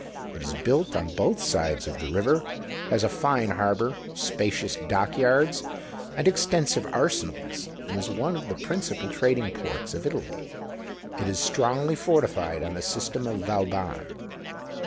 It is built on both sides of the river, has a fine harbour, spacious dockyards, and extensive arsenals, and is one of the principal trading ports of Italy. It is strongly fortified on the system of Vauban.